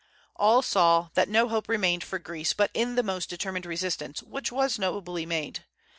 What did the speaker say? All now saw that no hope remained for Greece but in the most determined resistance, which was nobly made.